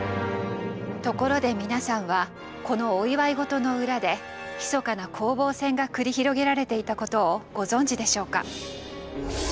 ところで皆さんはこのお祝い事の裏でひそかな攻防戦が繰り広げられていたことをご存じでしょうか？